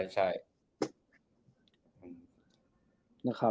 ใช่